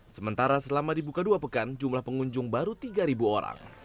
sementara selama dibuka dua pekan jumlah pengunjung baru tiga orang